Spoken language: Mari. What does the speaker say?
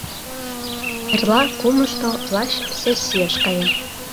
Эрла-кумышто лач сессийыш каем.